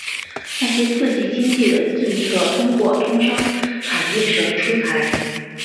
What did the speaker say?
那些刺激经济的政策通过通商产业省出台。